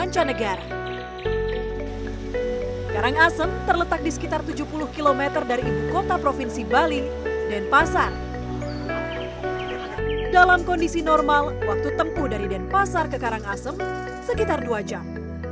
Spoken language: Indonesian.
sekitar dua jam